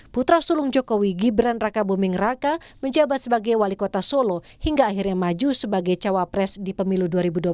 putra sulung jokowi gibran raka buming raka menjabat sebagai wali kota solo hingga akhirnya maju sebagai cawapres di pemilu dua ribu dua puluh